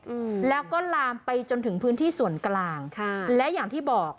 อืมแล้วก็ลามไปจนถึงพื้นที่ส่วนกลางค่ะและอย่างที่บอก